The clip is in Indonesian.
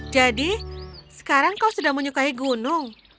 jadi sekarang kau sudah menyukai gunung